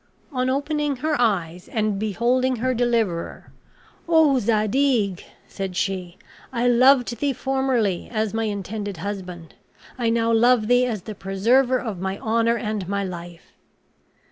On opening her eyes and beholding her deliverer, "O Zadig!" said she, "I loved thee formerly as my intended husband; I now love thee as the preserver of my honor and my life."